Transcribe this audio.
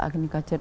kalau tibik jodoh